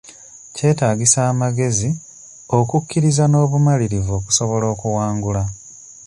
Kyetaagisa amagezi, okukkiriza n'obumalirivu okusobola okuwangula.